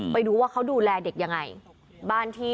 ไปดูว่าเค้าดูแลเด็กยังไง